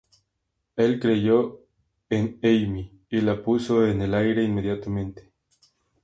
Él creyó en Amy y la puso en el aire inmediatamente.